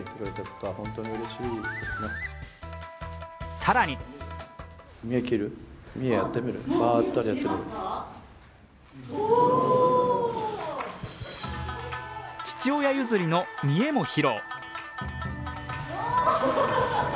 更に父親譲りの見得も披露。